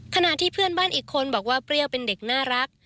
ขณะที่เพื่อนบ้านอีกคนบอกว่าเปรี้ยวเป็นเด็กน่ารัก